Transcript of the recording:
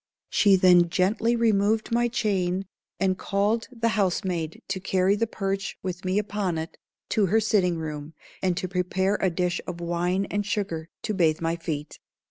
She then gently removed my chain, and called the house maid to carry the perch, with me upon it, to her sitting room, and to prepare a dish of wine and sugar to bathe my feet.